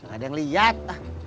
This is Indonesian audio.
nggak ada yang lihat